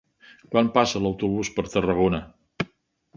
Quan passa l'autobús per Tarragona?